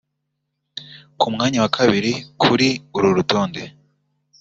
Ku mwanya wa kabiri kuri uru rutonde